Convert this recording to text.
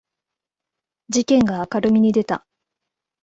事件が明るみに出た